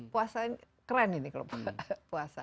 puasa ini keren ini kalau puasa